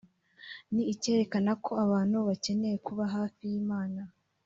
ni icyerekana ko abantu bakeneye kuba hafi y’Imana